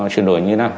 chuyển đổi như thế nào